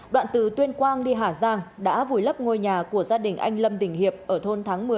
đoạn từ tuyên quang đi hà giang đã vùi lấp ngôi nhà của gia đình anh lâm đình hiệp ở thôn tháng một mươi